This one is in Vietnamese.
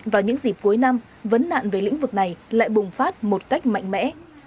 và những dịp cuối năm vấn nạn về lĩnh vực này lại bùng phát một cách mạnh mẽ